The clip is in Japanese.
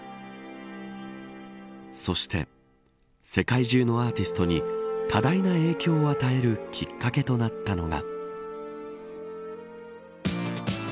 そして世界中のアーティストに多大な影響を与えるきっかけとなったのが。